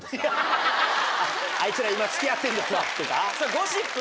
あいつら今付き合ってんですわ。